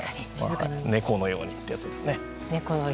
猫のようにってやつですね。